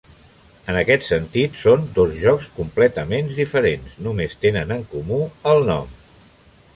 En aquest sentit, són dos jocs completament diferents, només tenen en comú el nom.